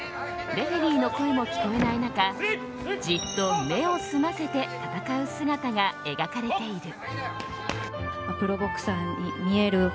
レフェリーの声も聞こえない中じっと目を澄ませて戦う姿が描かれている。